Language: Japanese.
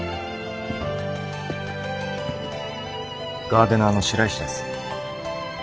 ガーデナーの白石です。